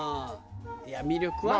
いや魅力はね。